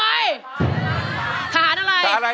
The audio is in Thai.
อันนี้เป็นทหารรอลิงเขาเป็นทหารพราน